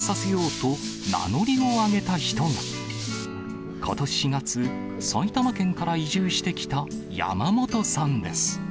しかし、一の湯を復活させようと、名乗りを上げた人が。ことし４月、埼玉県から移住してきた山本さんです。